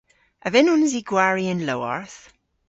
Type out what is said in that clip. A vynnons i gwari y'n lowarth?